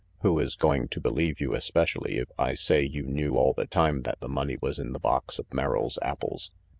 Who is going to believe you, especially if I say you knew all the time that the money was in the box of Merrill's apples?